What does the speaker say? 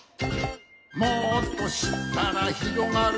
「もっとしったらひろがるよ」